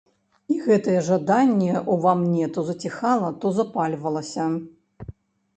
І гэтае жаданне ўва мне то заціхала, то запальвалася.